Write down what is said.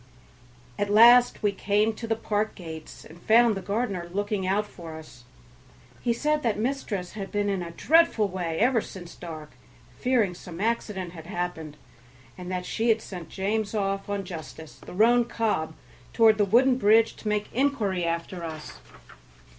At last we came to the park gates and found the gardener looking out for us. He said that mistress had been in a dreadful way ever since dark, fearing some accident had happened, and that she had sent James off on Justice, the roan cob, toward the wooden bridge to make inquiry after us.